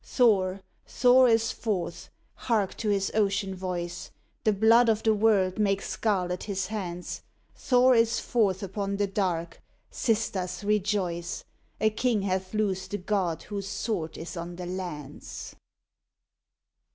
"Thor! Thor is forth! Hark to his ocean voice! The blood of the world makes scarlet his hands. Thor is forth upon the dark! Sisters, rejoice! A king hath loosed the god whose sword is on the lands!"